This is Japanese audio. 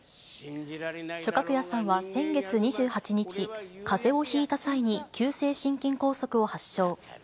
松鶴家さんは先月２８日、かぜをひいた際に急性心筋梗塞を発症。